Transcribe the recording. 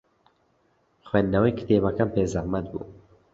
خوێندنەوەی کتێبەکەم پێ زەحمەت بوو.